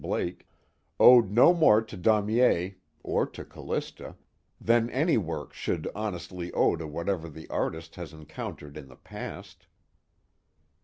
Blake_, owed no more to Daumier (or to Callista) than any work should honestly owe to whatever the artist has encountered in the past.